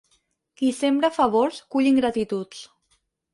Qui sembra favors cull ingratituds.